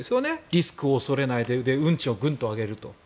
リスクを恐れないで運賃をグンと上げると。